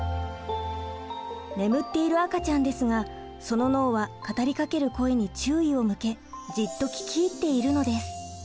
眠っている赤ちゃんですがその脳は語りかける声に注意を向けじっと聞き入っているのです。